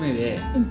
うん。